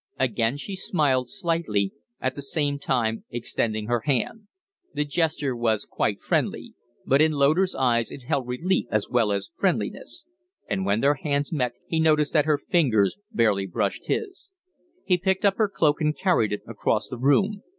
Again she smiled slightly, at the same time extending her hand. The gesture was quite friendly, but in Loder's eyes it held relief as well as friendliness; and when their hands met he noticed that her fingers barely brushed his. He picked up her cloak and carried it across the room.